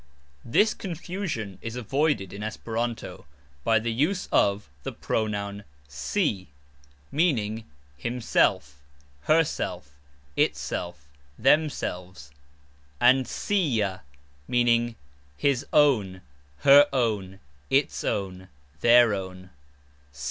This confusion is avoided in Esperanto by the use of, the pronoun "si" ("sin"), meaning "himself, herself, itself, themselves", and "sia," meaning "his own, her own, its own, their own."